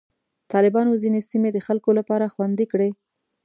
طالبانو ځینې سیمې د خلکو لپاره خوندي کړې.